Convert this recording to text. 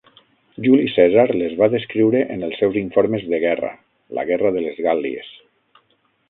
Juli Cèsar les va descriure en els seus informes de guerra, La Guerra de les Gàl·lies.